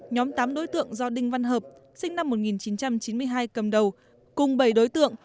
nhóm tám đối tượng do đinh văn hợp sinh năm một nghìn chín trăm chín mươi hai cầm đầu cùng bảy đối tượng